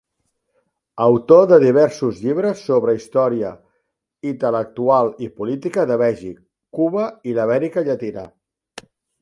Autor de diversos llibres sobre història intel·lectual i política de Mèxic, Cuba i l'Amèrica Llatina.